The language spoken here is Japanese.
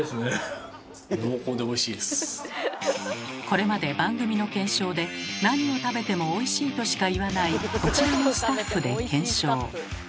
これまで番組の検証でなにを食べても「おいしい」としか言わないこちらのスタッフで検証。